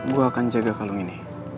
gue akan jaga kalung ini